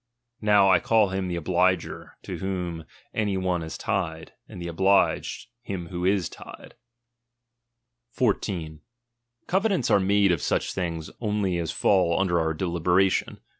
Now I call bim the obliger, to whom any one is tied : and the obliged, him who is tied. LIBERTY. 23 * 14. Covenants are made of such things only as chap. fall under our deliberation.